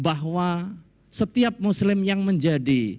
bahwa setiap muslim yang menjadi